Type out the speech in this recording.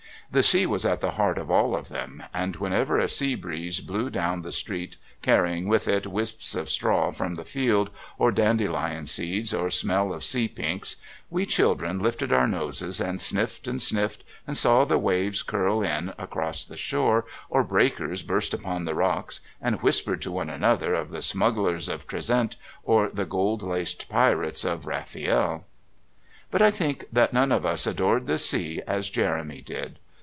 The sea was at the heart of all of them, and whenever a sea breeze blew down the street carrying with it wisps of straw from the field, or dandelion seeds, or smell of sea pinks, we children lifted our noses and sniffed and sniffed and saw the waves curl in across the shore, or breakers burst upon the rock, and whispered to one another of the Smugglers of Trezent or the Gold laced Pirates of Rafiel. But I think that none of us adored the sea as Jeremy did.